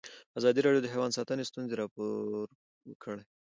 ازادي راډیو د حیوان ساتنه ستونزې راپور کړي.